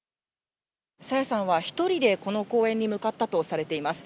朝芽さんは、１人で、この公園に向かったとされています。